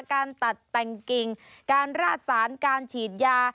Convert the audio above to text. การตัดแต่งกิ่งการราดสารการฉีดยา